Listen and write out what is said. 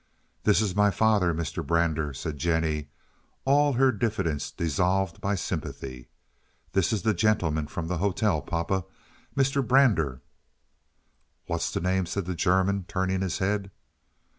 "This is my father, Mr. Brander," said Jennie, all her diffidence dissolved by sympathy. "This is the gentleman from the hotel, papa, Mr. Brander." "What's the name?" said the German, turning his head.